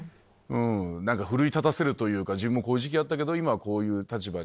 奮い立たせるというか自分もこういう時期あったけど今はこういう立場に。